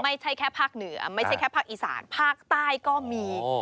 ไม่ใช่แค่ภาคเหนือไม่ใช่แค่ภาคอีสานภาคใต้ก็มี